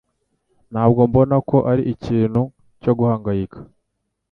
Ntabwo mbona ko ari ikintu cyo guhangayika